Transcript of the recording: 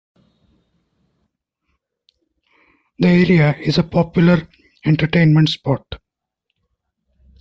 The area is a popular entertainment spot.